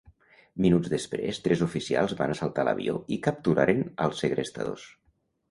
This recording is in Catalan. Minuts després tres oficials van assaltar l'avió i capturaren als segrestadors.